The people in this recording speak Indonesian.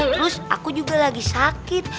terus aku juga lagi sakit